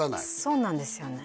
そうなんですよね